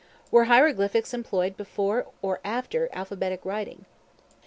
Were Hieroglyphics employed before or after Alphabetic Writing?